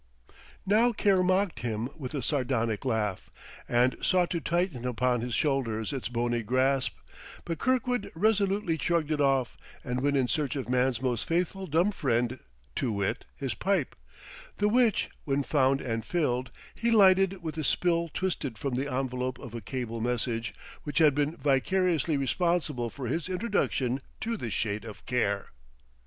Now Care mocked him with a sardonic laugh, and sought to tighten upon his shoulders its bony grasp; but Kirkwood resolutely shrugged it off and went in search of man's most faithful dumb friend, to wit, his pipe; the which, when found and filled, he lighted with a spill twisted from the envelope of a cable message which had been vicariously responsible for his introduction to the Shade of Care.